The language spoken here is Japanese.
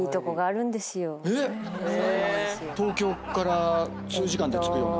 東京から数時間で着くような？